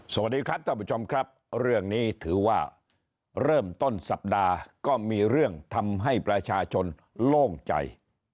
สวัสดีครับท่านผู้ชมครับเรื่องนี้ถือว่าเริ่มต้นสัปดาห์ก็มีเรื่องทำให้ประชาชนโล่งใจ